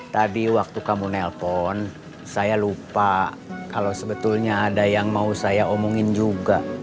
tadi waktu kamu nelpon saya lupa kalau sebetulnya ada yang mau saya omongin juga